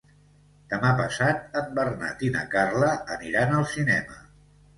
Demà passat en Bernat i na Carla aniran al cinema.